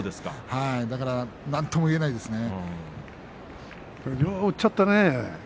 だから何とも言えないですね。